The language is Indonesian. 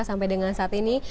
sampai dengan saat ini